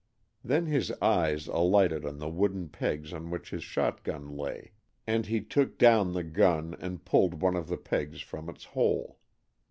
Then his eyes alighted on the wooden pegs on which his shot gun lay, and he took down the gun and pulled one of the pegs from its hole.